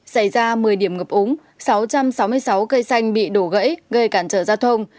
xảy ra một mươi điểm ngập úng sáu trăm sáu mươi sáu cây xanh bị đổ gãy gây cản trở giao thông